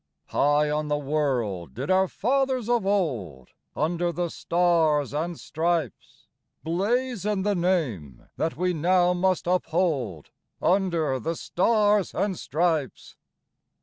High on the world did our fathers of old, Under the stars and stripes, Blazon the name that we now must uphold, Under the stars and stripes.